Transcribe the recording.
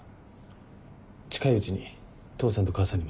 近いうちに父さんと母さんにも紹介します。